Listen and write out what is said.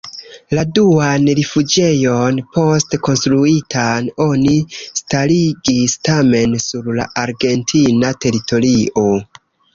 La duan rifuĝejon, poste konstruitan, oni starigis tamen sur argentina teritorio.